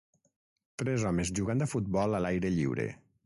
Tres homes jugant a futbol a l'aire lliure.